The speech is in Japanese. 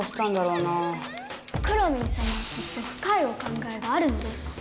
くろミンさまはきっとふかいお考えがあるのです。